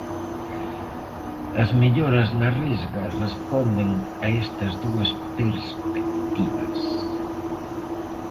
As melloras na Risga responden a estas dúas perspectivas.